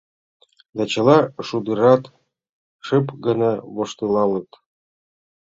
Да чыла шӱдырат шып гына воштылалыт.